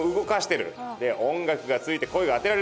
で音楽がついて声があてられる！